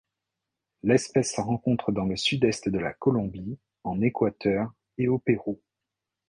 L'espèce se rencontre dans le sud-est de la Colombie, en Équateur et au Pérou.